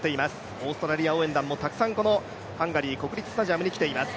オーストラリア応援団もたくさんハンガリー国立スタジアムに来ています。